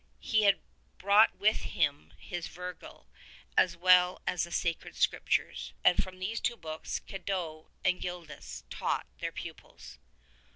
He had brought with him his Virgil as well as the Sacred Scriptures, and from these two books Cadoc and Gildas taught their pupils.